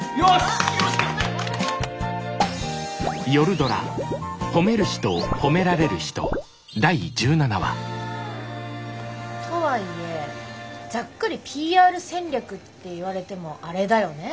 よし！とはいえざっくりＰＲ戦略って言われてもあれだよねぇ。